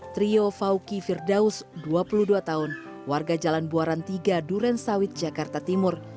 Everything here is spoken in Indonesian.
trio fawki firdaus dua puluh dua tahun warga jalan buaran tiga duren sawit jakarta timur